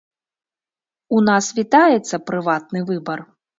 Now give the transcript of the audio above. У нас вітаецца прыватны выбар.